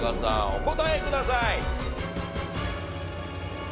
お答えください。